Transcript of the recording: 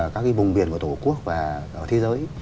các cái vùng biển của tổ quốc và ở thế giới